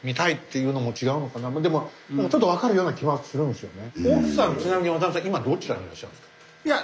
でもちょっと分かるような気はするんですよね。